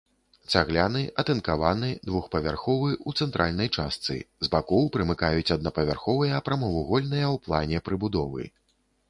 Цагляны, атынкаваны, двух-павярховы, у цэнтральнай частцы, з бакоў прымыкаюць аднапавярховыя прамавугольныя ў плане прыбудовы.